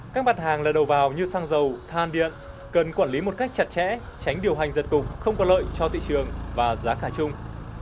các mặt hàng là đầu vào như xăng dầu than điện cần quản lý một cách chặt chẽ tránh điều hành giật cục không có lợi cho thị trường và giá cả chung